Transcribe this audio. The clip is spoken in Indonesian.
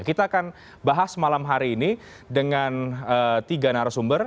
kita akan bahas malam hari ini dengan tiga narasumber